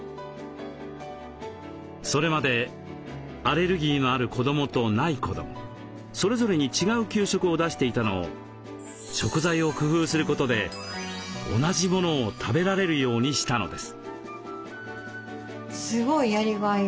それまでアレルギーのある子どもとない子どもそれぞれに違う給食を出していたのを食材を工夫することで同じものを食べられるようにしたのです。